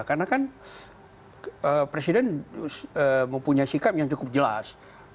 karena kan presiden mempunyai sikap yang cukup jelas